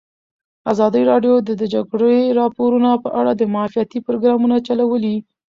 ازادي راډیو د د جګړې راپورونه په اړه د معارفې پروګرامونه چلولي.